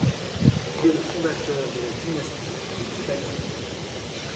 Il est le fondateur de la dynastie des Thibaldiens.